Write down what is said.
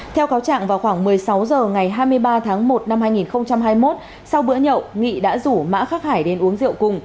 theo cáo trạng vào khoảng một mươi sáu h ngày hai mươi ba tháng một năm hai nghìn hai mươi một sau bữa nhậu nghị đã rủ mã khắc hải đến uống rượu cùng